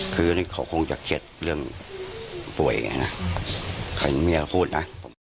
คือเขาคงจะเก็บเรื่องป่วยเองนะแค่ในเมียก็พูดนะ